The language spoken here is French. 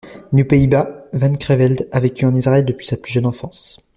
Né aux Pays-Bas, Van Creveld a vécu en Israël depuis sa plus jeune enfance.